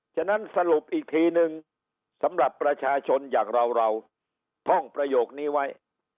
ฉะนั้นสรุปอีกทีนึงสำหรับประชาชนอย่างเราเราท่องประโยคนี้ไว้